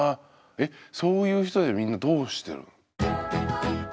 えそういう人ってみんなどうしてる？